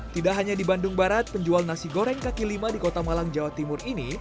tidak hanya di bandung barat penjual nasi goreng kaki lima di kota malang jawa timur ini